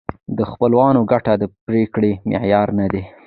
د خپلوانو ګټه د پرېکړې معیار نه دی.